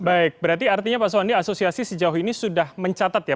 baik berarti artinya pak soni asosiasi sejauh ini sudah mencatat ya